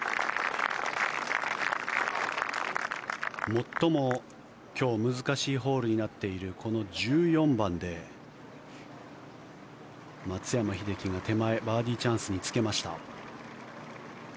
最も今日、難しいホールになっているこの１４番で松山英樹が手前、バーディーチャンスにつけました。